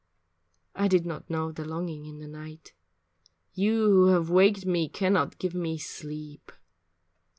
I did not know the longing in the night You who have waked me cannot give me sleep.